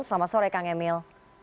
selamat sore kang emil